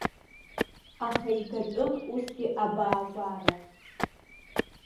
Аха игатәын усгьы абаагәара.